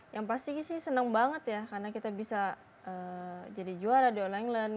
yang pasti sih senang banget ya karena kita bisa jadi juara di all england